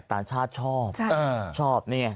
ต่างชาติชอบใช่